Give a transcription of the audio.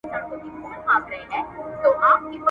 اوس به څه کړې ؟ د رښتیا میدان ته را سه